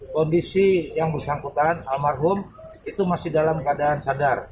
kondisi yang bersangkutan almarhum itu masih dalam keadaan sadar